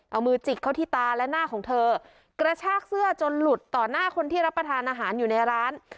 เอามือจิกเขาที่ตาและหน้าของเธอกระชากเสื้อจนหลุดต่อหน้าคนที่รับประทานอาหารอยู่ในร้าน